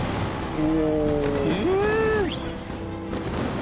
お！